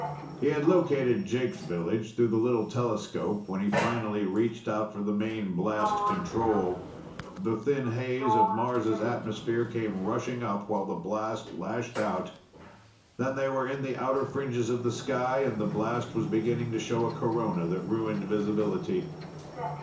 He had located Jake's village through the little telescope when he finally reached for the main blast control. The thin haze of Mars' atmosphere came rushing up, while the blast lashed out. Then they were in the outer fringes of the sky and the blast was beginning to show a corona that ruined visibility.